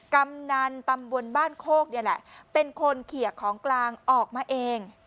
กำนันตำบลบ้านโคกนี่แหละเป็นคนเขียของกลางออกมาเอง